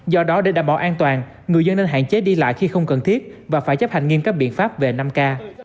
do đó để đảm bảo an toàn người dân nên hạn chế đi lại khi không cần thiết và phải chấp hành nghiêm các biện pháp về năm k